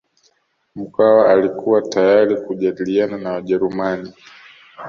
Mkwawa alikuwa tayari kujadiliana na Wajerumani